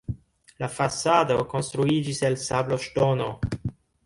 La fasado konstruiĝis el sabloŝtono.